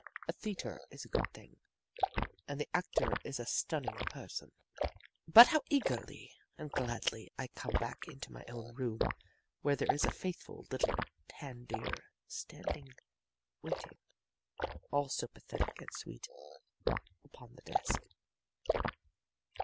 A theater is a good thing, and the actor is a stunning person but how eagerly and gladly I come back into my own room where there is a faithful, little, tan deer standing waiting, all so pathetic and sweet, upon the desk.